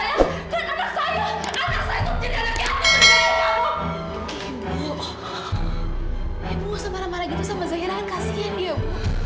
ibu ibu semalam marah gitu sama zahira kan kasihan ibu